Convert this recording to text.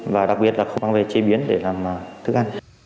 và đặc biệt là không mang về chế biến để làm thức ăn